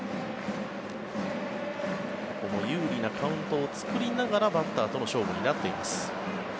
ここも有利なカウントを作りながらバッターとの勝負になっています。